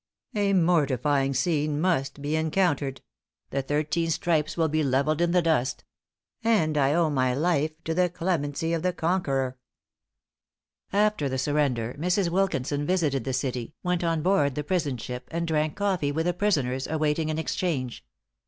A mortifying scene must be encountered; the thirteen stripes will be levelled in the dust; and I owe my life to the clemency of the conqueror." After the surrender, Mrs. Wilkinson visited the city, went on board the prison ship, and drank coffee with the prisoners awaiting an exchange.